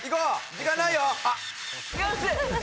時間ないよ！